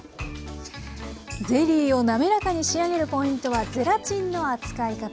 ゼリーを滑らかに仕上げるポイントはゼラチンの扱い方。